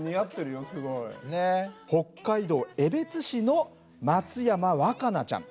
北海道江別市の松山和叶ちゃん。